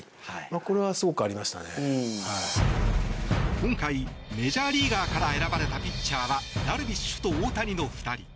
今回、メジャーリーガーから選ばれたピッチャーはダルビッシュと大谷の２人。